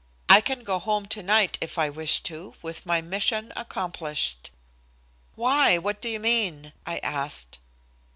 I can go home tonight if I wish to, with my mission accomplished." "Why, what do you mean?" I asked.